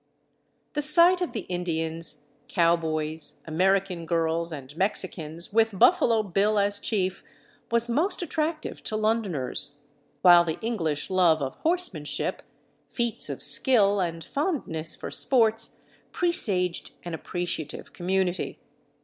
The sight of the Indians, cowboys, American girls, and Mexicans, with Buffalo Bill as chief, was most attractive to Londoners, while the English love of horsemanship, feats of skill, and fondness for sports presaged an appreciative community.